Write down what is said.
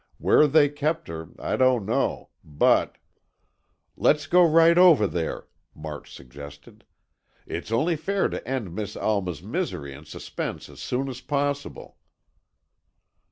"Where they keep her, I don't know, but——" "Let's go right over there," March suggested. "It's only fair to end Miss Alma's misery and suspense as soon as possible."